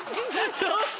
ちょっと！